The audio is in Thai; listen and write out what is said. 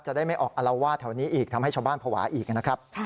ได้ไม่ออกอารวาสแถวนี้อีกทำให้ชาวบ้านภาวะอีกนะครับ